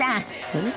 うん？